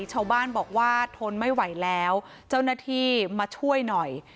ชาวบ้านบอกว่าทนไม่ไหวแล้วเจ้าหน้าที่มาช่วยหน่อย